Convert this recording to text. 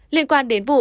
liên quan đến vụ